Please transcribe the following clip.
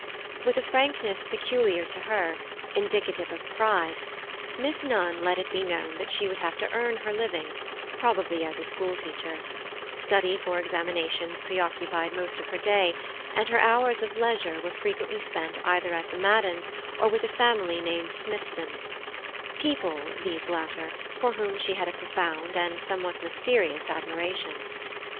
With a frankness peculiar to her, indicative of pride, Miss Nunn let it be known that she would have to earn her living, probably as a school teacher; study for examinations occupied most of her day, and her hours of leisure were frequently spent either at the Maddens or with a family named Smithson—people, these latter, for whom she had a profound and somewhat mysterious admiration.